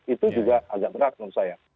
itu juga agak berat menurut saya